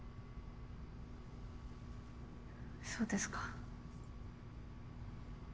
そうですか。